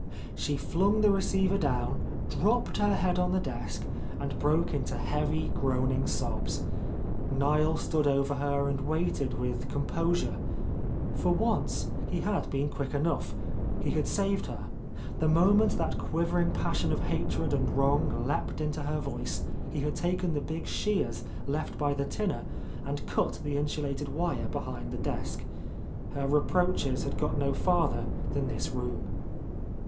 She flung the receiver down, dropped her head on the desk, and broke into heavy, groaning sobs. Niel stood over her and waited with compos ure. For once he had been quick enough; he had saved her. The moment that quivering passion of hatred and wrong leaped into her voice, he had taken the big shears left by the tinner and cut the insulated wire behind the desk. Her re proaches had got no farther than this room.